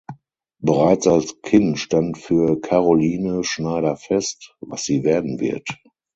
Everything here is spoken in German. Bereits als Kind stand für Caroline Schneider fest, was sie werden wird.